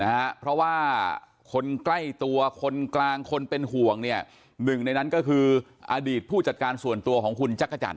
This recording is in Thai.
นะฮะเพราะว่าคนใกล้ตัวคนกลางคนเป็นห่วงเนี่ยหนึ่งในนั้นก็คืออดีตผู้จัดการส่วนตัวของคุณจักรจันท